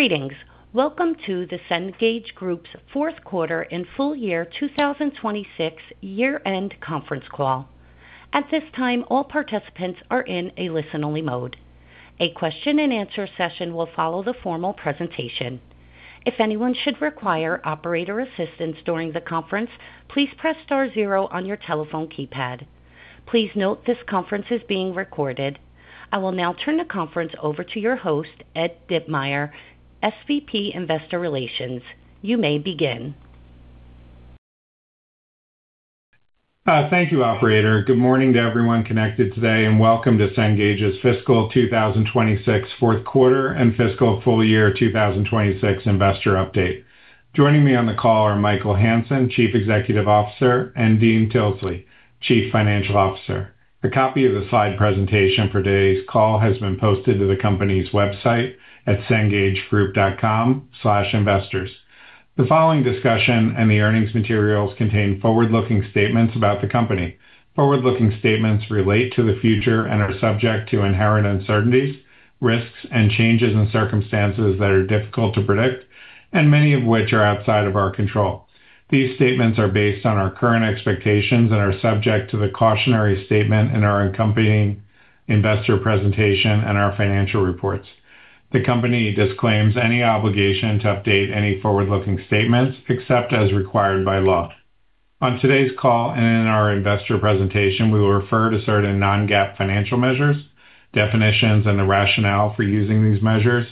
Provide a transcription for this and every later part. Greetings. Welcome to the Cengage Group's fourth quarter and full year 2026 year-end conference call. At this time, all participants are in a listen-only mode. A question and answer session will follow the formal presentation. If anyone should require operator assistance during the conference, please press star zero on your telephone keypad. Please note this conference is being recorded. I will now turn the conference over to your host, Ed Ditmire, SVP, Investor Relations. You may begin. Thank you, operator. Good morning to everyone connected today, and welcome to Cengage's fiscal 2026 fourth quarter and fiscal full year 2026 investor update. Joining me on the call are Michael Hansen, Chief Executive Officer, and Dean Tilsley, Chief Financial Officer. A copy of the slide presentation for today's call has been posted to the company's website at cengagegroup.com/investors. The following discussion and the earnings materials contain forward-looking statements about the company. Forward-looking statements relate to the future and are subject to inherent uncertainties, risks, and changes in circumstances that are difficult to predict, and many of which are outside of our control. These statements are based on our current expectations and are subject to the cautionary statement in our accompanying investor presentation and our financial reports. The company disclaims any obligation to update any forward-looking statements except as required by law. On today's call and in our investor presentation, we will refer to certain non-GAAP financial measures. Definitions and the rationale for using these measures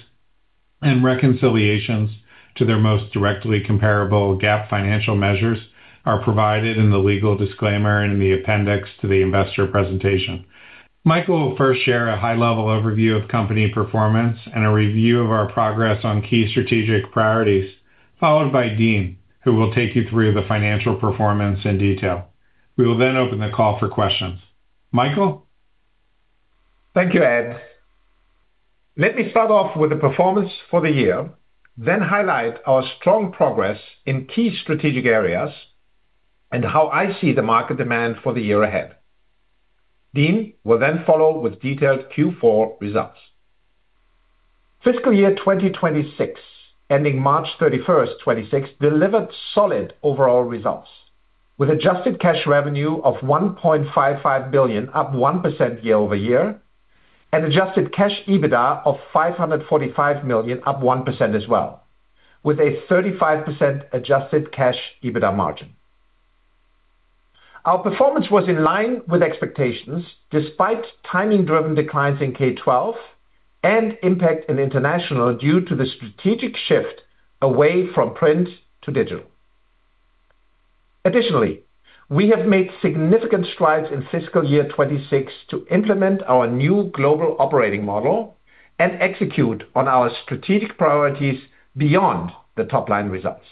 and reconciliations to their most directly comparable GAAP financial measures are provided in the legal disclaimer in the appendix to the investor presentation. Michael will first share a high-level overview of company performance and a review of our progress on key strategic priorities, followed by Dean, who will take you through the financial performance in detail. We will open the call for questions. Michael? Thank you, Ed. Let me start off with the performance for the year, then highlight our strong progress in key strategic areas and how I see the market demand for the year ahead. Dean will then follow with detailed Q4 results. Fiscal year 2026, ending March 31st, 2026, delivered solid overall results, with adjusted cash revenue of $1.55 billion, up 1% year-over-year, and adjusted cash EBITDA of $545 million, up 1% as well, with a 35% adjusted cash EBITDA margin. Our performance was in line with expectations, despite timing-driven declines in K-12 and impact in international due to the strategic shift away from print to digital. Additionally, we have made significant strides in fiscal year 2026 to implement our new global operating model and execute on our strategic priorities beyond the top-line results.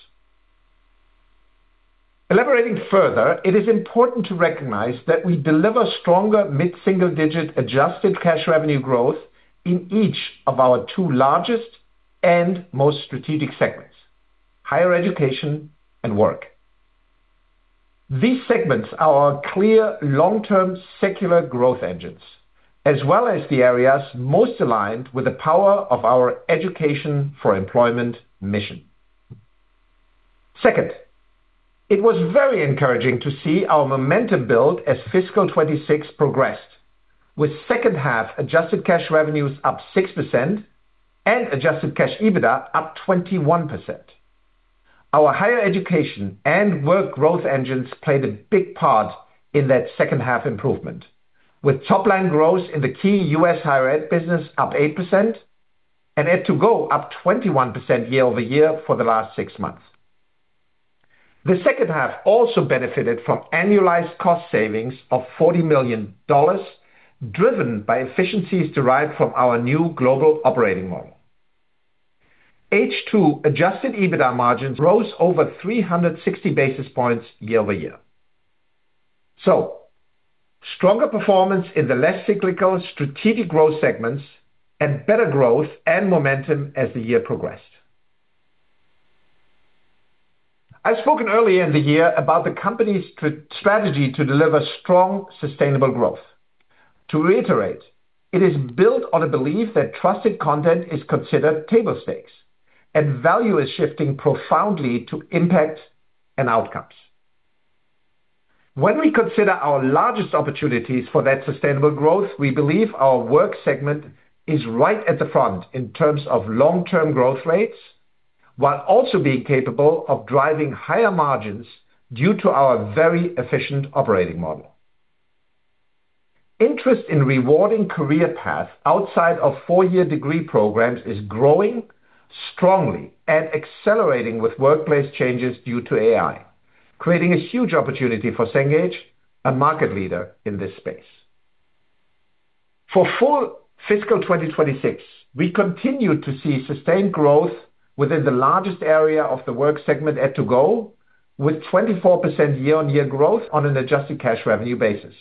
Elaborating further, it is important to recognize that we deliver stronger mid-single-digit adjusted cash revenue growth in each of our two largest and most strategic segments, higher education and work. These segments are our clear long-term secular growth engines, as well as the areas most aligned with the power of our education for employment mission. Second, it was very encouraging to see our momentum build as fiscal 2026 progressed, with H2 adjusted cash revenues up 6% and adjusted cash EBITDA up 21%. Our higher education and work growth engines played a big part in that H2 improvement, with top-line growth in the key U.S. higher ed business up 8% and ed2go up 21% year-over-year for the last six months. The H2 also benefited from annualized cost savings of $40 million, driven by efficiencies derived from our new global operating model. H2 adjusted EBITDA margins rose over 360 basis points year-over-year. Stronger performance in the less cyclical strategic growth segments and better growth and momentum as the year progressed. I've spoken earlier in the year about the company's strategy to deliver strong, sustainable growth. To reiterate, it is built on a belief that trusted content is considered table stakes and value is shifting profoundly to impact and outcomes. When we consider our largest opportunities for that sustainable growth, we believe our work segment is right at the front in terms of long-term growth rates, while also being capable of driving higher margins due to our very efficient operating model. Interest in rewarding career paths outside of four-year degree programs is growing strongly and accelerating with workplace changes due to AI, creating a huge opportunity for Cengage, a market leader in this space. For full fiscal 2026, we continued to see sustained growth within the largest area of the work segment, ed2go, with 24% year-on-year growth on an adjusted cash revenue basis.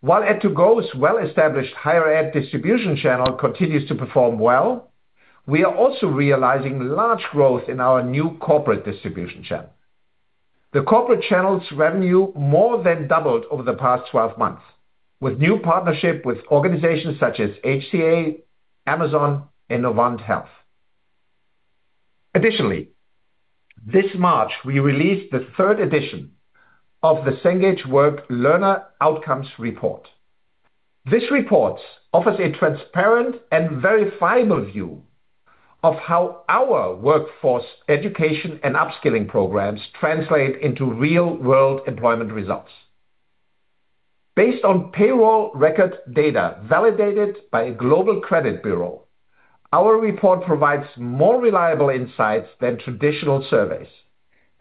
While ed2go's well-established higher ed distribution channel continues to perform well, we are also realizing large growth in our new corporate distribution channel. The corporate channel's revenue more than doubled over the past 12 months, with new partnership with organizations such as HCA, Amazon, and Novant Health. Additionally, this March, we released the third edition of the Cengage Work Learner Outcomes Report. This report offers a transparent and verifiable view of how our workforce education and upskilling programs translate into real-world employment results. Based on payroll record data validated by a global credit bureau, our report provides more reliable insights than traditional surveys.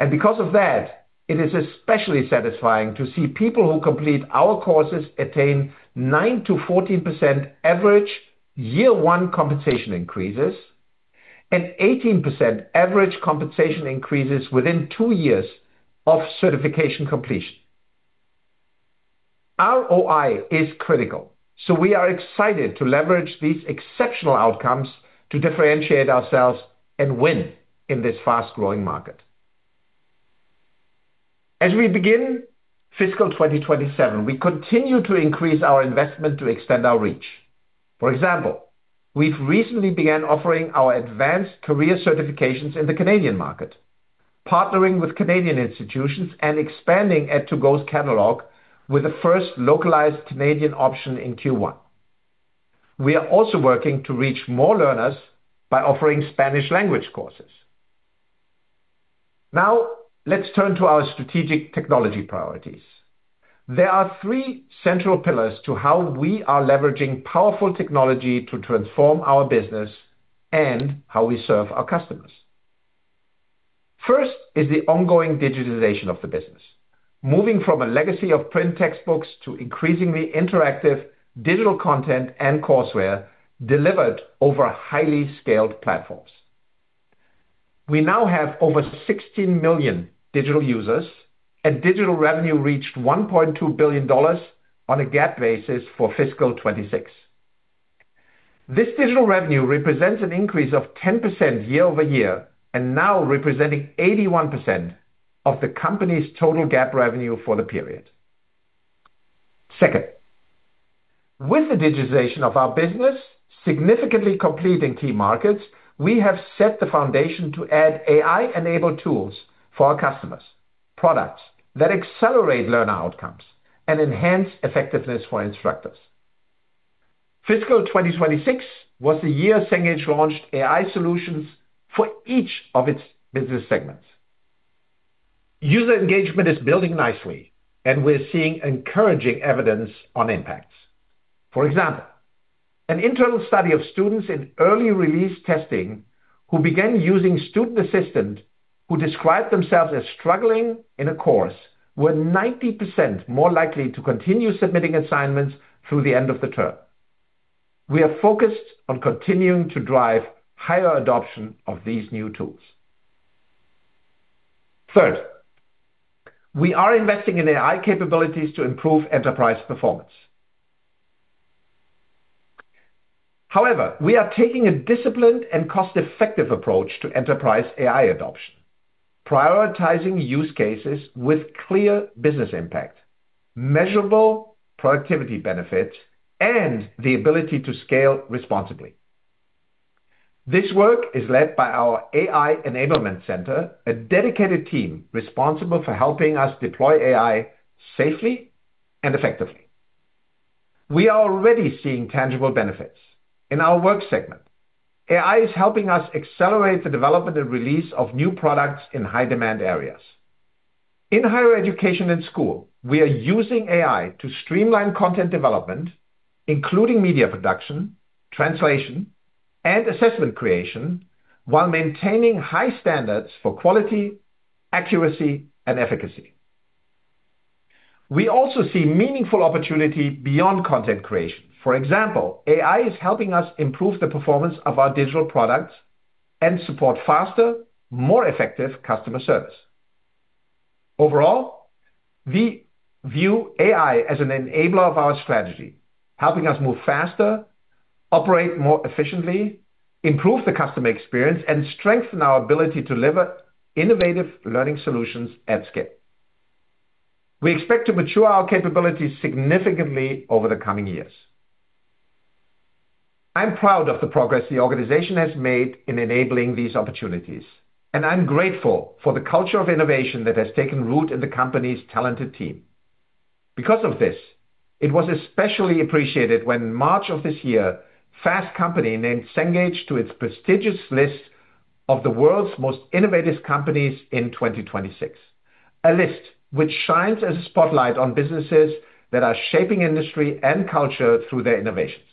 Because of that, it is especially satisfying to see people who complete our courses attain 9%-14% average year one compensation increases and 18% average compensation increases within two years of certification completion. ROI is critical, we are excited to leverage these exceptional outcomes to differentiate ourselves and win in this fast-growing market. As we begin fiscal 2027, we continue to increase our investment to extend our reach. For example, we've recently began offering our advanced career certifications in the Canadian market, partnering with Canadian institutions and expanding ed2go's catalog with the first localized Canadian option in Q1. We are also working to reach more learners by offering Spanish language courses. Let's turn to our strategic technology priorities. There are three central pillars to how we are leveraging powerful technology to transform our business and how we serve our customers. First is the ongoing digitization of the business, moving from a legacy of print textbooks to increasingly interactive digital content and courseware delivered over highly scaled platforms. We now have over 16 million digital users, and digital revenue reached $1.2 billion on a GAAP basis for fiscal 2026. This digital revenue represents an increase of 10% year-over-year and now representing 81% of the company's total GAAP revenue for the period. Second, with the digitization of our business significantly complete in key markets, we have set the foundation to add AI-enabled tools for our customers. Products that accelerate learner outcomes and enhance effectiveness for instructors. Fiscal 2026 was the year Cengage launched AI solutions for each of its business segments. User engagement is building nicely, and we're seeing encouraging evidence on impacts. For example, an internal study of students in early release testing who began using Student Assistant, who described themselves as struggling in a course, were 90% more likely to continue submitting assignments through the end of the term. We are focused on continuing to drive higher adoption of these new tools. Third, we are investing in AI capabilities to improve enterprise performance. We are taking a disciplined and cost-effective approach to enterprise AI adoption, prioritizing use cases with clear business impact, measurable productivity benefits, and the ability to scale responsibly. This work is led by our AI Enablement Center, a dedicated team responsible for helping us deploy AI safely and effectively. We are already seeing tangible benefits. In our Work segment, AI is helping us accelerate the development and release of new products in high-demand areas. In higher education and school, we are using AI to streamline content development, including media production, translation, and assessment creation, while maintaining high standards for quality, accuracy, and efficacy. We also see meaningful opportunity beyond content creation. For example, AI is helping us improve the performance of our digital products and support faster, more effective customer service. Overall, we view AI as an enabler of our strategy, helping us move faster, operate more efficiently, improve the customer experience, and strengthen our ability to deliver innovative learning solutions at scale. We expect to mature our capabilities significantly over the coming years. I'm proud of the progress the organization has made in enabling these opportunities, and I'm grateful for the culture of innovation that has taken root in the company's talented team. Because of this, it was especially appreciated when March of this year, Fast Company named Cengage to its prestigious list of the world's most innovative companies in 2026, a list which shines a spotlight on businesses that are shaping industry and culture through their innovations.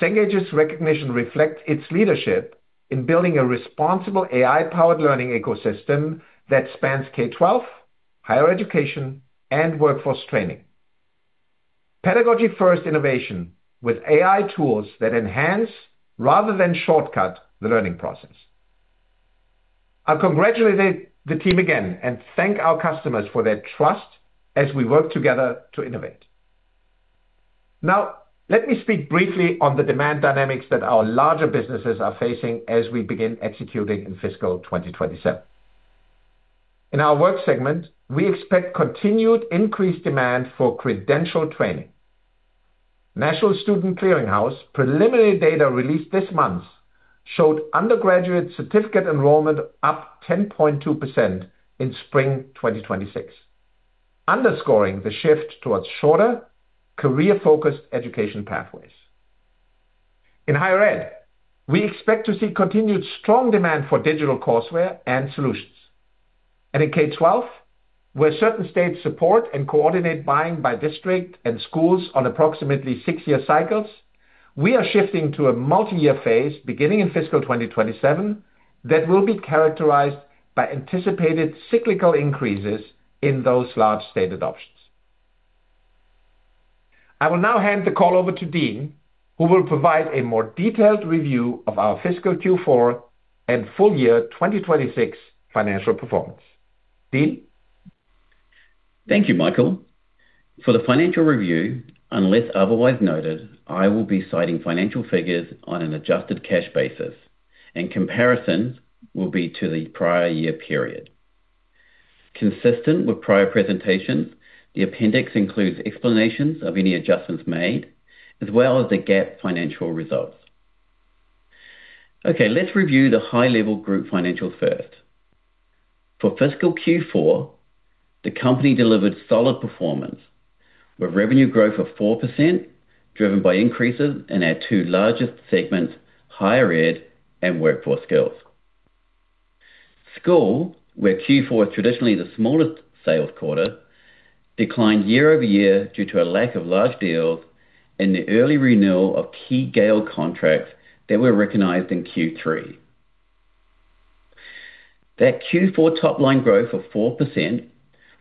Cengage's recognition reflects its leadership in building a responsible AI-powered learning ecosystem that spans K-12, higher education, and workforce training. Pedagogy first innovation with AI tools that enhance rather than shortcut the learning process. I congratulate the team again and thank our customers for their trust as we work together to innovate. Now, let me speak briefly on the demand dynamics that our larger businesses are facing as we begin executing in fiscal 2027. In our Work segment, we expect continued increased demand for credentialed training. National Student Clearinghouse preliminary data released this month showed undergraduate certificate enrollment up 10.2% in spring 2026, underscoring the shift towards shorter career-focused education pathways. In higher ed, we expect to see continued strong demand for digital courseware and solutions. In K-12, where certain states support and coordinate buying by district and schools on approximately six-year cycles, we are shifting to a multi-year phase beginning in fiscal 2027 that will be characterized by anticipated cyclical increases in those large state adoptions. I will now hand the call over to Dean, who will provide a more detailed review of our fiscal Q4 and full year 2026 financial performance. Dean? Thank you, Michael. For the financial review, unless otherwise noted, I will be citing financial figures on an adjusted cash basis, and comparison will be to the prior year period. Consistent with prior presentations, the appendix includes explanations of any adjustments made, as well as the GAAP financial results. Okay, let's review the high-level group financials first. For fiscal Q4, the company delivered solid performance with revenue growth of 4% driven by increases in our two largest segments, higher ed and workforce skills. School, where Q4 is traditionally the smallest sales quarter, declined year-over-year due to a lack of large deals and the early renewal of key Gale contracts that were recognized in Q3. That Q4 top-line growth of 4%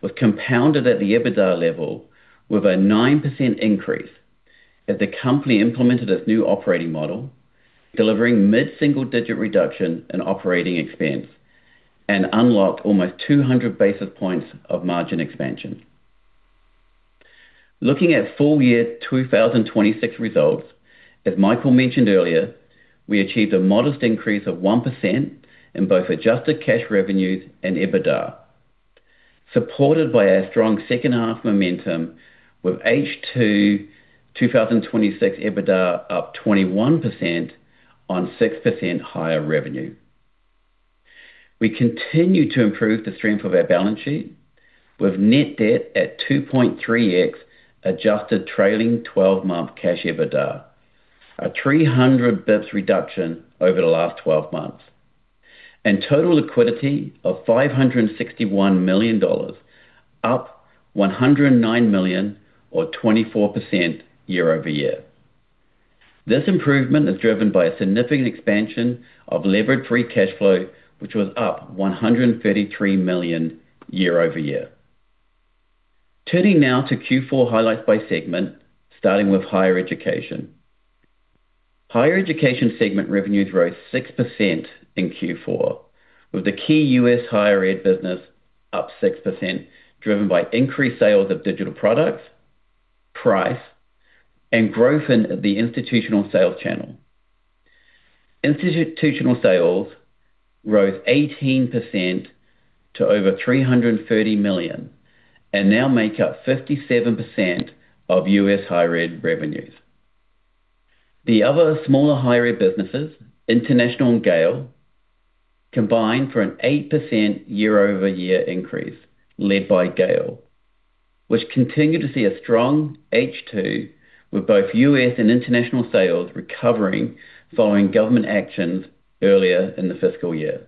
was compounded at the EBITDA level with a 9% increase as the company implemented its new operating model, delivering mid-single-digit reduction in operating expense, and unlocked almost 200 basis points of margin expansion. Looking at full year 2026 results, as Michael mentioned earlier, we achieved a modest increase of 1% in both adjusted cash revenues and EBITDA, supported by our strong second half momentum with H2 2026 EBITDA up 21% on 6% higher revenue. We continue to improve the strength of our balance sheet with net debt at 2.3x adjusted trailing 12-month cash EBITDA, a 300 basis points reduction over the last 12 months, and total liquidity of $561 million, up $109 million or 24% year-over-year. This improvement is driven by a significant expansion of levered free cash flow, which was up $133 million year-over-year. Turning now to Q4 highlights by segment, starting with Higher Education. Higher Education segment revenues rose 6% in Q4, with the key U.S. higher ed business up 6%, driven by increased sales of digital products, price, and growth in the institutional sales channel. Institutional sales rose 18% to over $330 million and now make up 57% of U.S. higher ed revenues. The other smaller, higher ed businesses, international and Gale, combined for an 8% year-over-year increase led by Gale, which continued to see a strong H2 with both U.S. and international sales recovering following government actions earlier in the fiscal year.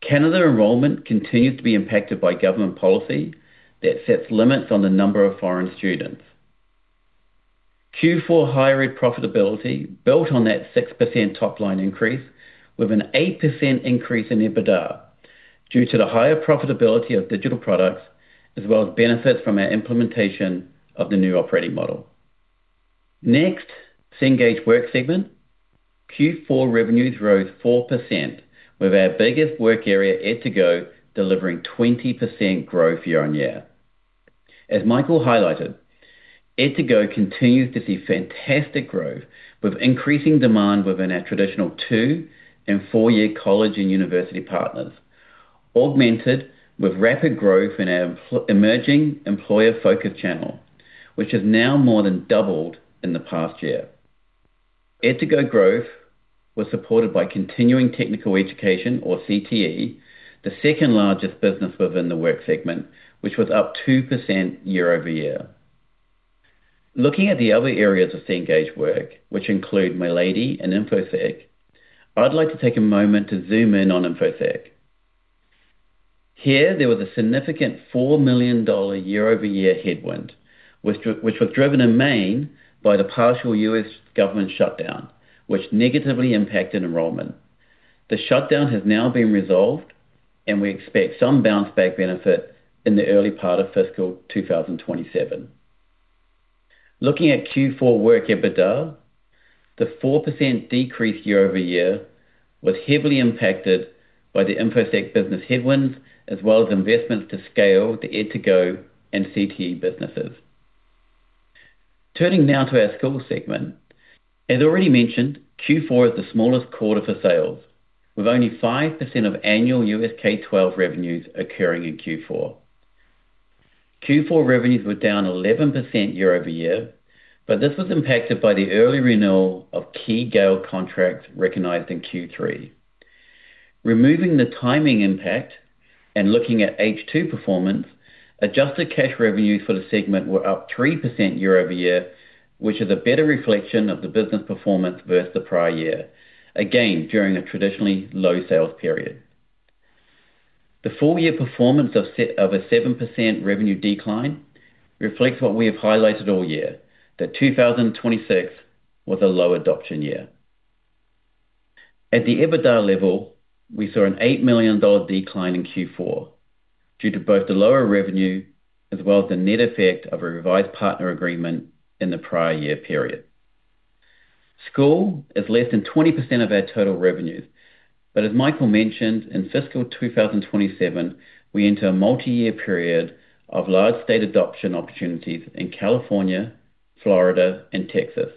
Canada enrollment continues to be impacted by government policy that sets limits on the number of foreign students. Q4 higher ed profitability built on that 6% top-line increase, with an 8% increase in EBITDA due to the higher profitability of digital products, as well as benefits from our implementation of the new operating model. Next, Cengage Work segment. Q4 revenues rose 4%, with our biggest work area, ed2go, delivering 20% growth year on year. As Michael highlighted, ed2go continues to see fantastic growth with increasing demand within our traditional two and four-year college and university partners, augmented with rapid growth in our emerging employer-focused channel, which has now more than doubled in the past year, ed2go growth was supported by continuing technical education or CTE, the second-largest business within the Work segment, which was up 2% year over year. Looking at the other areas of Cengage Work, which include Milady and Infosec, I'd like to take a moment to zoom in on Infosec. Here, there was a significant $4 million year-over-year headwind, which was driven in main by the partial U.S. government shutdown, which negatively impacted enrollment. The shutdown has now been resolved, and we expect some bounce back benefit in the early part of fiscal 2027. Looking at Q4 Work EBITDA, the 4% decrease year-over-year was heavily impacted by the Infosec business headwinds, as well as investments to scale the ed2go and CTE businesses. Turning now to our School segment. As already mentioned, Q4 is the smallest quarter for sales, with only 5% of annual U.S. K-12 revenues occurring in Q4. Q4 revenues were down 11% year-over-year, but this was impacted by the early renewal of key Gale contracts recognized in Q3. Removing the timing impact and looking at H2 performance, adjusted cash revenues for the segment were up 3% year-over-year, which is a better reflection of the business performance versus the prior year, again, during a traditionally low sales period. The full year performance of a 7% revenue decline reflects what we have highlighted all year, that 2026 was a low adoption year. At the EBITDA level, we saw an $8 million decline in Q4 due to both the lower revenue as well as the net effect of a revised partner agreement in the prior year period. School is less than 20% of our total revenues, but as Michael mentioned, in fiscal 2027, we enter a multi-year period of large state adoption opportunities in California, Florida, and Texas.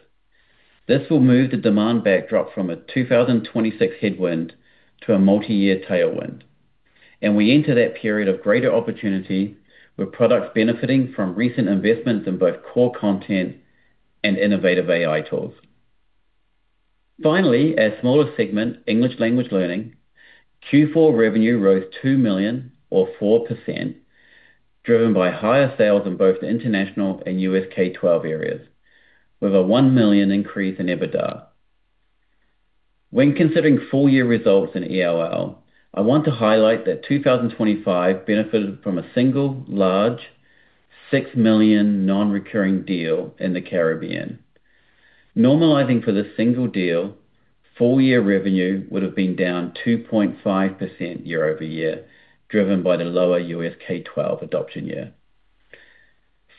This will move the demand backdrop from a 2026 headwind to a multi-year tailwind. We enter that period of greater opportunity with products benefiting from recent investments in both core content and innovative AI tools. Finally, our smallest segment, English Language Learning. Q4 revenue rose $2 million or 4%, driven by higher sales in both the international and U.S. K-12 areas, with a $1 million increase in EBITDA. When considering full year results in ELL, I want to highlight that 2025 benefited from a single large $6 million non-recurring deal in the Caribbean. Normalizing for the single deal, full year revenue would've been down 2.5% year-over-year, driven by the lower U.S. K-12 adoption year.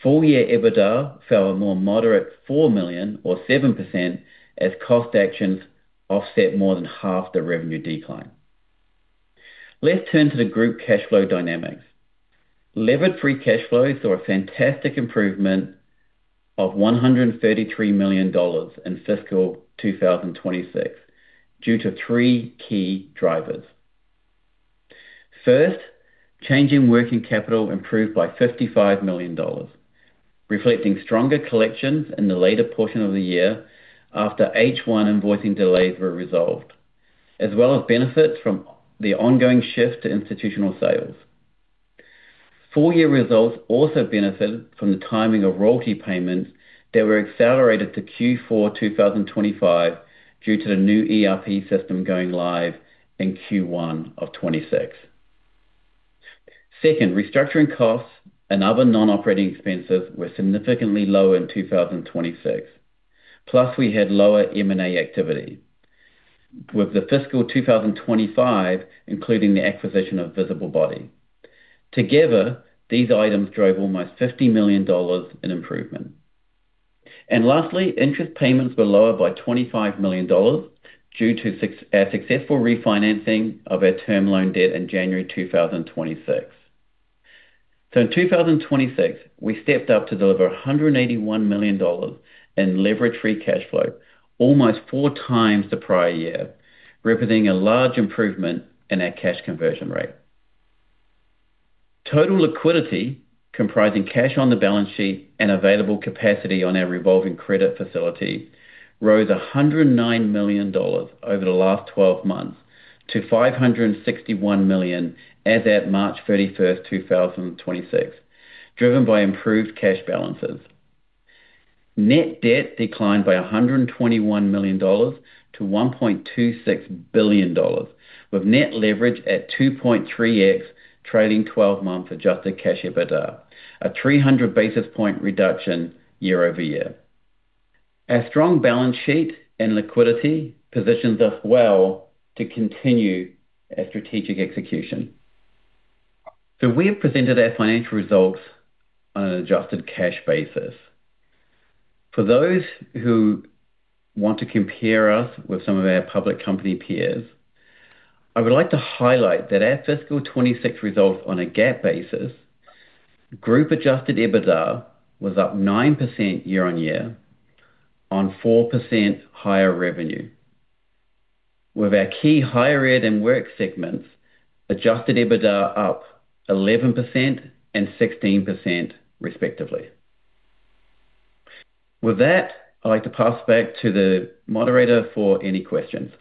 Full year EBITDA fell a more moderate $4 million or 7% as cost actions offset more than half the revenue decline. Let's turn to the group cash flow dynamics. Levered free cash flow saw a fantastic improvement of $133 million in fiscal 2026 due to three key drivers. First, change in working capital improved by $55 million, reflecting stronger collections in the later portion of the year after H1 invoicing delays were resolved, as well as benefits from the ongoing shift to institutional sales. Full year results also benefited from the timing of royalty payments that were accelerated to Q4 2025 due to the new ERP system going live in Q1 of 2026. Second, restructuring costs and other non-operating expenses were significantly lower in 2026. Plus, we had lower M&A activity, with the fiscal 2025 including the acquisition of Visible Body. Together, these items drove almost $50 million in improvement. Lastly, interest payments were lower by $25 million due to our successful refinancing of our term loan debt in January 2026. In 2026, we stepped up to deliver $181 million in levered free cash flow, almost 4x the prior year, representing a large improvement in our cash conversion rate. Total liquidity, comprising cash on the balance sheet and available capacity on our revolving credit facility, rose $109 million over the last 12 months to $561 million as at March 31st, 2026, driven by improved cash balances. Net debt declined by $121 million to $1.26 billion, with net leverage at 2.3x trailing 12 months adjusted cash EBITDA, a 300 basis point reduction year-over-year. Our strong balance sheet and liquidity positions us well to continue our strategic execution. We have presented our financial results on an adjusted cash basis. For those who want to compare us with some of our public company peers, I would like to highlight that our fiscal 2026 results on a GAAP basis, group adjusted EBITDA was up 9% year-on-year on 4% higher revenue. With our key higher ed and Work segments, adjusted EBITDA up 11% and 16% respectively. With that, I'd like to pass back to the moderator for any questions.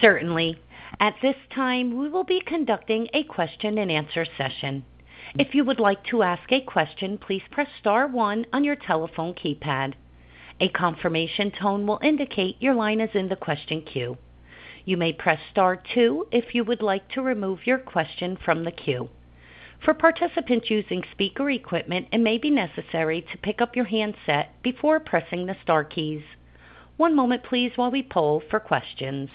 Certainly. At this time, we will be conducting a question and answer session. If you would like to ask a question, please press star one on your telephone keypad. A confirmation tone will indicate your line is in the question queue. You may press star two if you would like to remove your question from the queue. For participants using speaker equipment, it may be necessary to pick up your handset before pressing the star keys. One moment, please, while we poll for questions.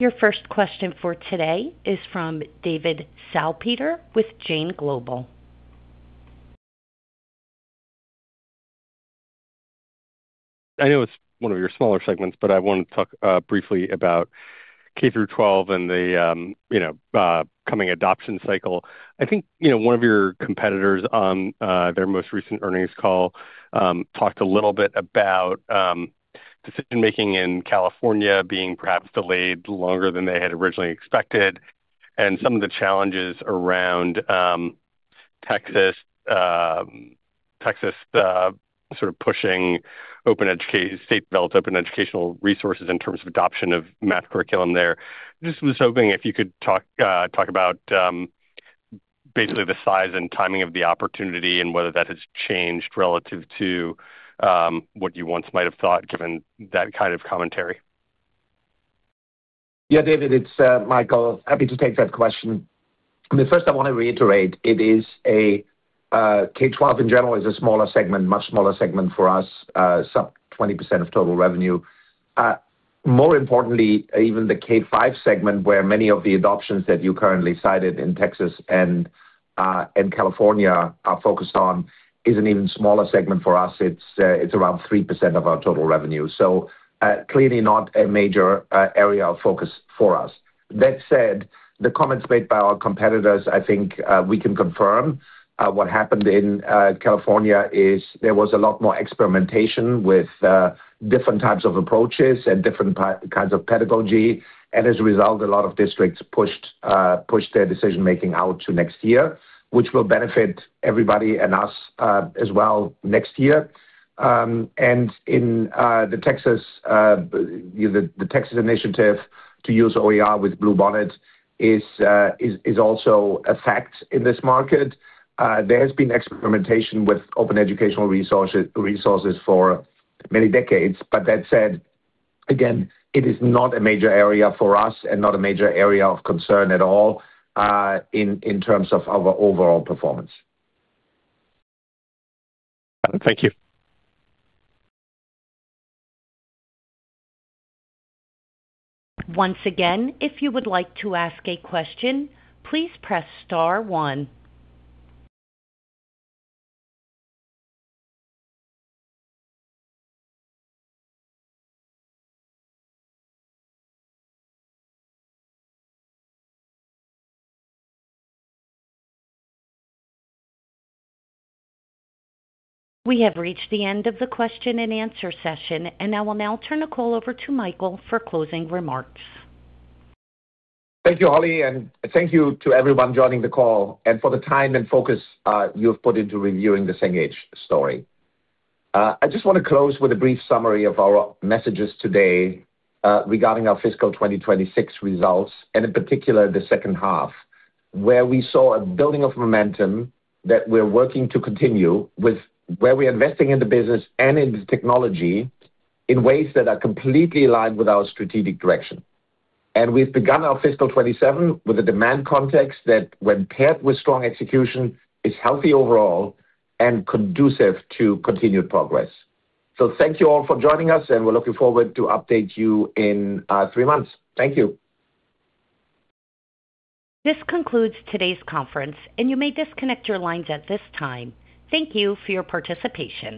Your first question for today is from David Salpeter with Jain Global. I know it's one of your smaller segments, but I want to talk briefly about K-12 and the coming adoption cycle. I think one of your competitors on their most recent earnings call talked a little bit about decision-making in California being perhaps delayed longer than they had originally expected, and some of the challenges around Texas sort of pushing state-developed Open Education Resources in terms of adoption of math curriculum there. Just was hoping if you could talk about basically the size and timing of the opportunity and whether that has changed relative to what you once might have thought, given that kind of commentary? Yeah, David, it's Michael. Happy to take that question. I mean, first I want to reiterate, K-12 in general is a smaller segment, much smaller segment for us, sub 20% of total revenue. More importantly, even the K-5 segment, where many of the adoptions that you currently cited in Texas and California are focused on, is an even smaller segment for us. It's around 3% of our total revenue. Clearly not a major area of focus for us. That said, the comments made by our competitors, I think, we can confirm. What happened in California is there was a lot more experimentation with different types of approaches and different kinds of pedagogy. As a result, a lot of districts pushed their decision-making out to next year, which will benefit everybody and us as well next year. In the Texas initiative to use OER with Bluebonnet Learning is also a fact in this market. There has been experimentation with Open Education Resources for many decades. That said, again, it is not a major area for us and not a major area of concern at all in terms of our overall performance. Got it. Thank you. Once again, if you would like to ask a question, please press star one. We have reached the end of the question and answer session, and I will now turn the call over to Michael for closing remarks. Thank you, Holly, and thank you to everyone joining the call, and for the time and focus you have put into reviewing the Cengage story. I just want to close with a brief summary of our messages today regarding our fiscal 2026 results, and in particular, the H2, where we saw a building of momentum that we're working to continue with where we're investing in the business and in the technology in ways that are completely aligned with our strategic direction. We've begun our fiscal 2027 with a demand context that, when paired with strong execution, is healthy overall and conducive to continued progress. Thank you all for joining us, and we're looking forward to update you in three months. Thank you. This concludes today's conference, and you may disconnect your lines at this time. Thank you for your participation.